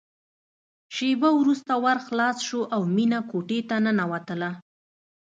شېبه وروسته ور خلاص شو او مينه کوټې ته ننوتله